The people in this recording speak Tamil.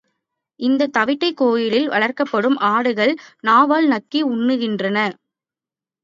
இந்த தவிட்டை கோயிலில் வளர்க்கப்படும் ஆடுகள் நாவால் நக்கி உண்ணுகின்றன.